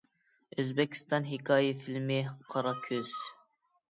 ئۆزبېكىستان ھېكايە فىلىمى: «قارا كۆز» .